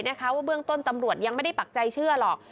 ว่าเบื้องต้นตำรวจยังไม่ได้ปักใจเชื่อหรอก